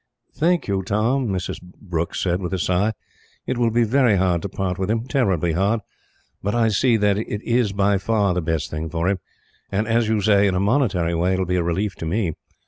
"Thank you, Tom," Mrs. Brooke said with a sigh. "It will be very hard to part with him terribly hard but I see that it is by far the best thing for him and, as you say, in a monetary way it will be a relief to me.